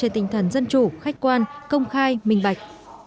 trên tinh thần dân chủ khách quan công khai minh bạch